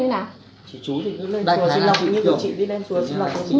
nhưng mà làm sao mình biết nó trì hay không nhỉ